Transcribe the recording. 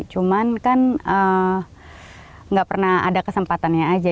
cuman kan nggak pernah ada kesempatannya aja